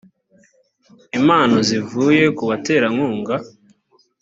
impano zivuye ku baterankunga